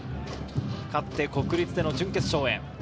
勝って国立での準決勝へ。